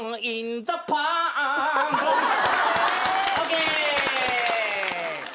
ＯＫ。